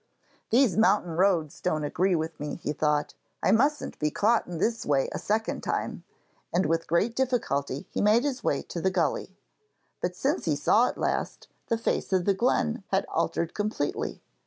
'These mountain roads don't agree with me,' he thought. 'I mustn't be caught in this way a second time,' and with great difficulty he made his way to the gully. But since he saw it last, the face of the glen had altered completely.